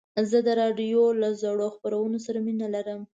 زه د راډیو له زړو خپرونو سره مینه لرم.